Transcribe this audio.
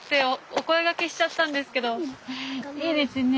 いいですよね。